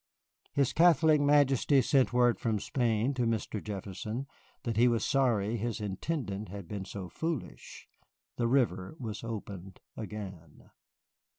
His Catholic Majesty sent word from Spain to Mr. Jefferson that he was sorry his Intendant had been so foolish. The River was opened again.